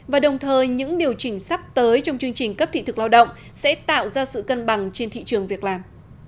và đồng thời những điều chỉnh sắp tới trong chương trình cấp thị thực lao động sẽ tạo ra sự cân bằng trên thị trường việc làm